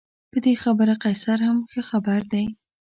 په دې خبره قیصر هم ښه خبر دی.